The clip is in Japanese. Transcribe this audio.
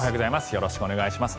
よろしくお願いします。